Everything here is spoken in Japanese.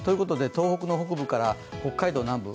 東北の北部から北海道南部